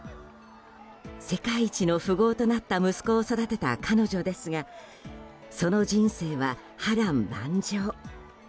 世界一の富豪となった息子を育てた彼女ですがその人生は波乱万丈。